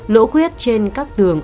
lỗ khuyết trên các tường